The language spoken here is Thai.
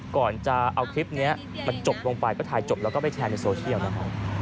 ก่อนจะเอาคลิปนี้มันจบลงไปก็ถ่ายจบแล้วก็ไปแชร์ในโซเชียลนะฮะ